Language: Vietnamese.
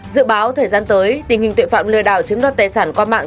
dự báo thời gian tới tình hình tội phạm lừa đảo chiếm đoạt tài sản qua mạng